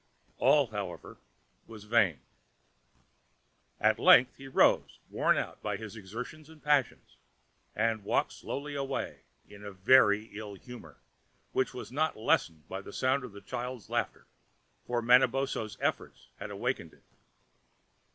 All, however, was vain. At length he rose, worn out with his exertions and passion, and walked slowly away in a very ill humor, which was not lessened by the sound of the child's laughter, for Manabozho's efforts had awakened it.